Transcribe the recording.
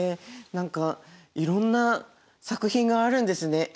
何かいろんな作品があるんですね。